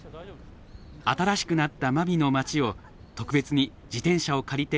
新しくなった真備の街を特別に自転車を借りて回ることに。